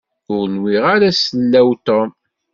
Ur nwiɣ ara sellaw Tom.